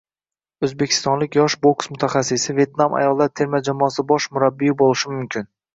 O‘zbekistonlik yosh boks mutaxassisi Vetnam ayollar terma jamoasi bosh murabbiyi bo‘lishi mumkinng